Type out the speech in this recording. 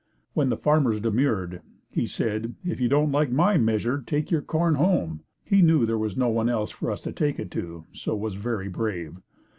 When the farmers demurred, he said, "If you don't like my measure, take your corn home." He knew there was no one else for us to take it to, so was very brave.